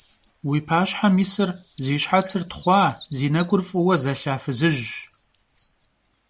Vui paşhem yisır zi şhetsır txhua, zi nek'ur f'ıue zelha fızıjş.